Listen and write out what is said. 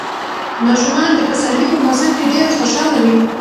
ماشومان د پسرلي په موسم کې ډېر خوشاله وي.